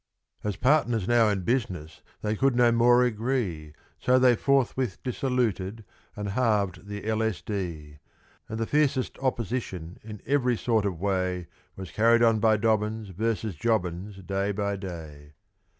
As partners now in business, they could no more agree, So they forthwith dissoluted and halved the £ s. d. And the fiercest opposition in every sort of way, Was carried on by Dobbins versus Jobbins day by day.